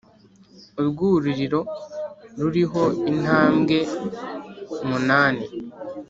Urwuririro ruriho intambwe munani